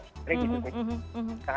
jadi gitu sih